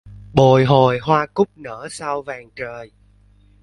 Bồi hồi hoa cúc nở sao vàng trời